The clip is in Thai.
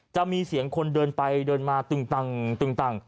จะมีเสียงคนเดินไปเดินมาตึงตัง